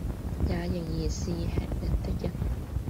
也仍然是喫人的人。